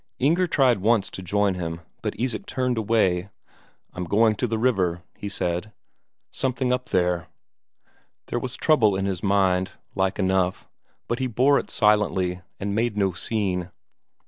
Inger tried once to join him, but Isak turned away: "I'm going up to the river," he said. "Something up there...." There was trouble in his mind, like enough, but he bore it silently, and made no scene.